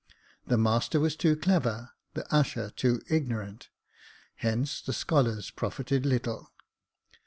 The master was too clever, the usher too ignorant ; hence the scholars profited little.